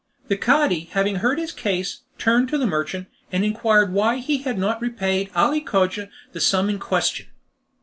The Cadi having heard his case, turned to the merchant, and inquired why he had not repaid Ali Cogia the sum in question.